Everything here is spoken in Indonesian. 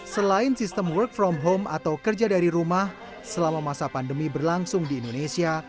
selain sistem work from home atau kerja dari rumah selama masa pandemi berlangsung di indonesia